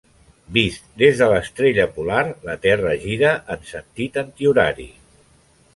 Vist des de l'Estrella Polar, la Terra gira en sentit antihorari.